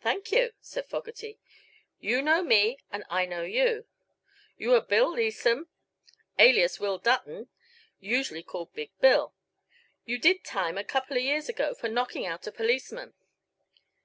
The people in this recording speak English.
"Thank you," said Fogerty, "You know me, and I know you. You are Bill Leesome, alias Will Dutton usually called Big Bill. You did time a couple of years ago for knocking out a policeman."